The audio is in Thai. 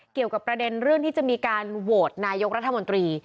เกี่ยวกับประเด็นเรื่องที่จะมีการโหวตนายกรัฐมนตรี